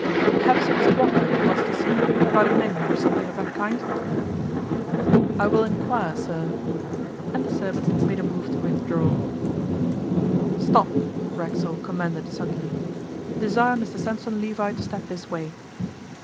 'Perhaps it is Rocco he wants to see, about a menu or something of that kind?' 'I will inquire, sir,' and the servant made a move to withdraw. 'Stop,' Racksole commanded suddenly. 'Desire Mr Sampson Levi to step this way.